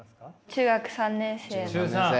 中学３年生。